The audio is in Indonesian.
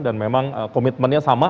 dan memang komitmennya sama